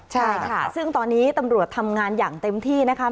ใช่ค่ะซึ่งตอนนี้ตำรวจทำงานอย่างเต็มที่นะคะ